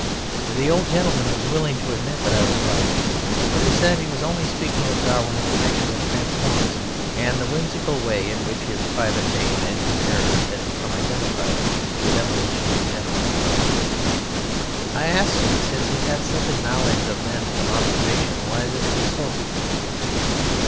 The old gentleman was willing to admit that I was right, but he said he was only speaking of Darwin in connection with transformism and the whimsical way in which his private name (and his errors) had become identified with evolution in general. I asked him, since he had such a knowledge of men from observation, why this was so.